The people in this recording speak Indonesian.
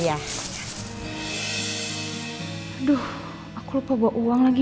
aduh aku lupa bawa uang lagi